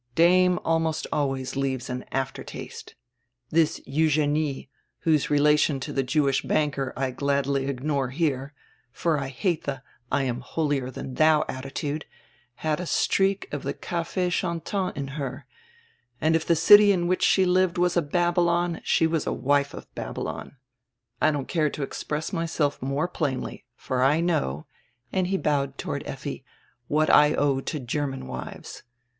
'Dame' almost always leaves an after taste. This Eugenie — whose relation to die Jewish banker I gladly ignore here, for I hate die 'I am holier tiian diou' attitude — had a streak of die cafe chantant in her, and, if the city in which she lived was a Babylon, she was a wife of Babylon. I don't care to express myself more plainly, for I know" — and he bowed toward Effi — "what I owe to German wives.